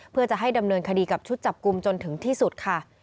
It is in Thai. เพื่อจะให้ดำเนินคดีกับชุดจับกลุ่มจนถึงที่สุดค่ะ